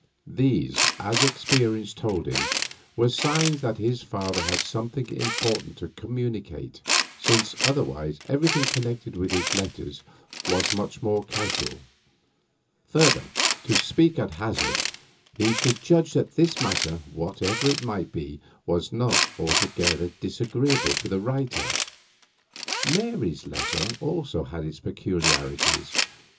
These, as experience told him, were signs that his father had something important to communicate, since otherwise everything connected with his letters was much more casual. Further, to speak at hazard, he should judge that this matter, whatever it might be, was not altogether disagreeable to the writer. Mary's letter also had its peculiarities.